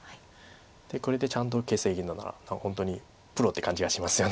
これでちゃんと形勢いいのなら本当にプロって感じがしますよね。